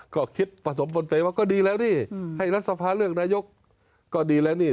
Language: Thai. ก็คิดผสมบนเปรย์ว่าก็ดีแล้วนี่ให้รัฐสภาเลือกนายกก็ดีแล้วนี่